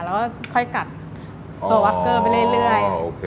แล้วก็ค่อยกัดตัววักเกอร์ไปเรื่อย